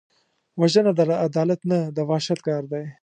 وژنه د عدالت نه، د وحشت کار دی